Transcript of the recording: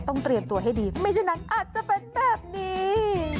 เตรียมตัวให้ดีไม่ฉะนั้นอาจจะเป็นแบบนี้